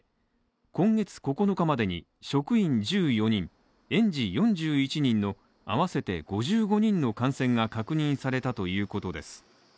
今月９日までに職員１４人、園児４１人の合わせて５５人の感染が確認されたということです。